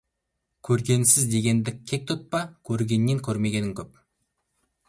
Көргенсіз дегенді кек тұтпа, көргеннен көрмегенің көп.